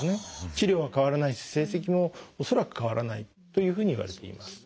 治療は変わらないし成績も恐らく変わらないというふうにいわれています。